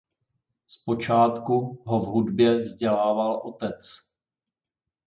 Zpočátku ho v hudbě vzdělával otec.